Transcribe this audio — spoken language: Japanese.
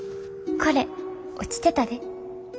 これ落ちてたで。